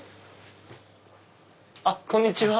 あっこんにちは！